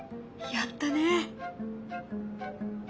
やったね。